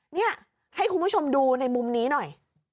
นี่ให้คุณผู้ชมดูในมุมนี้หน่อย